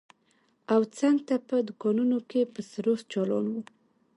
او څنگ ته په دوکانونو کښې به سروذ چالان و.